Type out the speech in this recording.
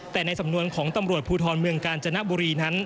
แต่ในสำนวนของตำรวจภูทรเมืองกาญจนบุรีนั้น